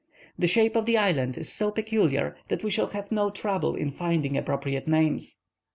The shape of the island is so peculiar that we shall have no trouble in finding appropriate names.